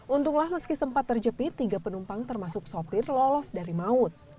untunglah meski sempat terjepit tiga penumpang termasuk sopir lolos dari maut